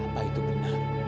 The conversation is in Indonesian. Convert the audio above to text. apa itu benar